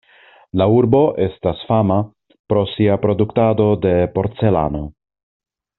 La urbo estas fama pro sia produktado de porcelano.